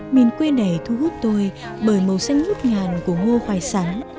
mình quên đầy thu hút tôi bởi màu xanh nhút ngàn của ngô khoai sắn